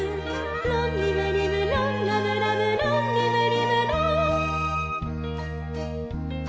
「ロンリムリムロンラムラムロンリムリムロン」